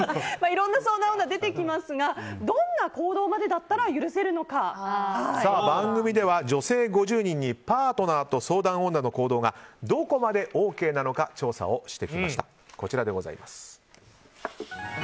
いろんな相談女が出てきますがどんな行動までだったら番組では女性５０人にパートナーと相談女の行動がどこまでＯＫなのか調査をしてきました。